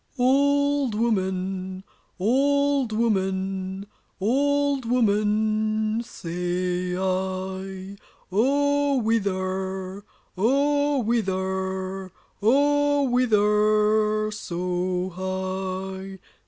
] Old woman, old woman, old woman say I, O whither, O whither, O whither so high?